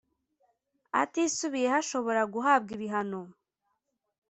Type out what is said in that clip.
Atisubiyeho ashobora guhabwa ibihano